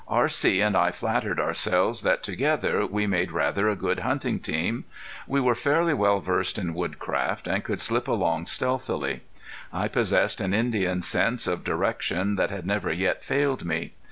R.C. and I flattered ourselves that together we made rather a good hunting team. We were fairly well versed in woodcraft and could slip along stealthily. I possessed an Indian sense of direction that had never yet failed me.